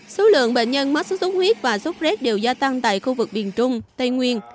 số lượng bệnh nhân mắc sốt xuất huyết và sốt rét đều gia tăng tại khu vực miền trung tây nguyên